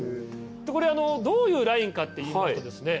これどういうラインかっていいますとですね